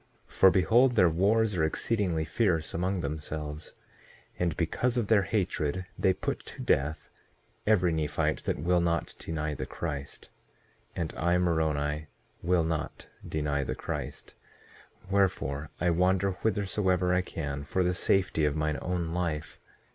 1:2 For behold, their wars are exceedingly fierce among themselves; and because of their hatred they put to death every Nephite that will not deny the Christ. 1:3 And I, Moroni, will not deny the Christ; wherefore, I wander whithersoever I can for the safety of mine own life.